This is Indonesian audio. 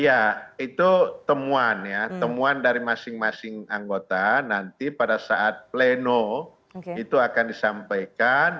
ya itu temuan ya temuan dari masing masing anggota nanti pada saat pleno itu akan disampaikan